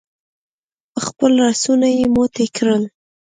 خپل لاسونه يې موټي کړل.